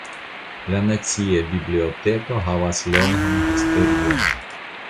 La Nacia Biblioteko havas longan historion.